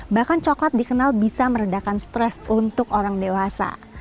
bahkan coklat dikenal bisa meredakan stres untuk orang dewasa